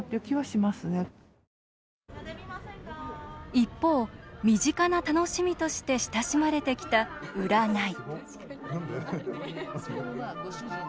一方、身近な楽しみとして親しまれてきた、占い。